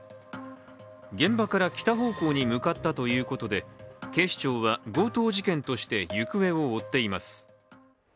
現場から北方向に向かったということで、警視庁は強盗事件として行方を追っています。